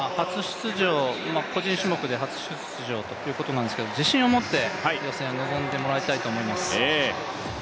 個人種目で初出場ということなんですけど、自信を持って予選を臨んでもらいたいと思います。